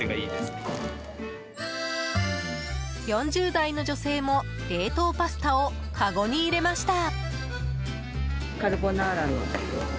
４０代の女性も冷凍パスタをかごに入れました。